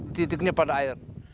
titiknya pada air